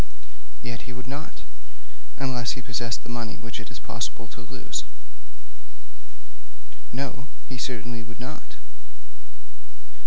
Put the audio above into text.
'Yet he would not, unless he possessed the money which it is possible to lose.' 'No; he certainly would not.'